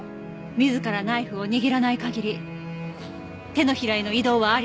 自らナイフを握らない限り手のひらへの移動はあり得ない。